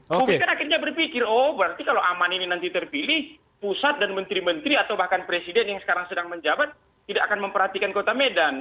publik kan akhirnya berpikir oh berarti kalau aman ini nanti terpilih pusat dan menteri menteri atau bahkan presiden yang sekarang sedang menjabat tidak akan memperhatikan kota medan